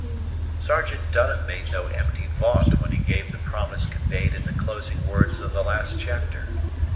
_ Sergeant Dunham made no empty vaunt when he gave the promise conveyed in the closing words of the last chapter.